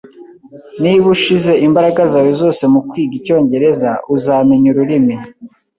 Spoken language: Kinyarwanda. Niba ushize imbaraga zawe zose mukwiga icyongereza, uzamenya ururimi